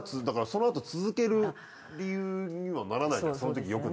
だからそのあと続ける理由にはならないじゃん。